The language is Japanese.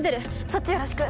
そっちよろしく！